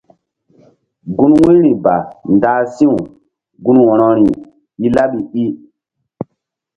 Gun wu̧yri ba ndah si̧w gun wo̧rori i laɓi i.